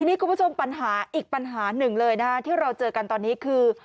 นี่คุณผู้ชมปัญหาอีกปัญหาหนึ่งเลยนะที่เราเจอกันตอนนี้คือ